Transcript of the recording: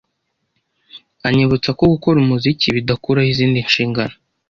anyibutsa ko gukora umuziki bidakuraho izindi nshingano